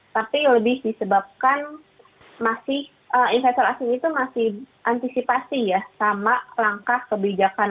tapi lebih disebabkan masih investor asing itu masih antisipasi ya sama langkah kebijakan